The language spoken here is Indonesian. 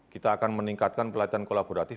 kita akan meningkatkan pelatihan kolaboratif